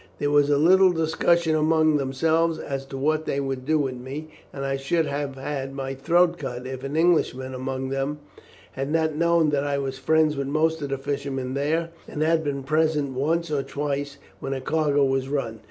There was a little discussion among themselves as to what they would do with me, and I should have had my throat cut if an Englishman among them had not known that I was friends with most of the fishermen there, and had been present once or twice when a cargo was run.